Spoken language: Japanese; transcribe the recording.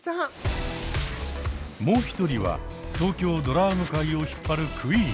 もう一人は東京ドラァグ界を引っ張るクイーン。